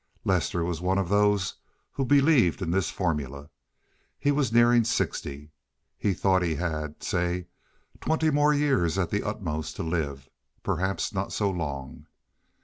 Lester was one of those who believed in this formula. He was nearing sixty. He thought he had, say, twenty years more at the utmost to live—perhaps not so long.